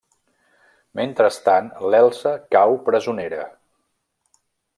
Mentrestant l'Elsa cau presonera.